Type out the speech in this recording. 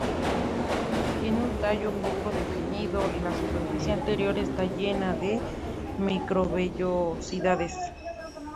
Tiene un tallo poco definido y la superficie anterior está llena de microvellosidades.